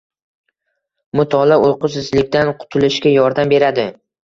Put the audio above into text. Mutolaa uyqusizlikdan qutulishga yordam beradi.